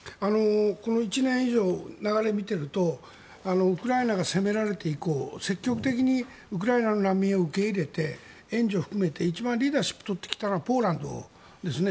この１年以上流れを見ているとウクライナが攻められて以降積極的にウクライナの難民を受け入れて、援助を含めて一番リーダーシップを取ってきたのはポーランドですね。